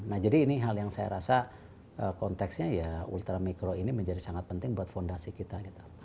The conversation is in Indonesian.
nah jadi ini hal yang saya rasa konteksnya ya ultramikro ini menjadi sangat penting buat fondasi kita gitu